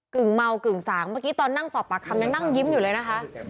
ึ่งเมากึ่งสางเมื่อกี้ตอนนั่งสอบปากคำยังนั่งยิ้มอยู่เลยนะคะ